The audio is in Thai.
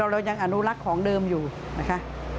เรายังอนุรักษ์ของเดิมอยู่นะคะ